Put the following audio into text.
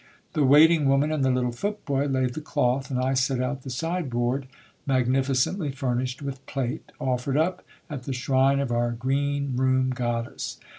The waiting woman and the little footboy laid the cloth, and I set out the sideboard, magnificently furnished with plate, offered up at the shrine of our green room goddess.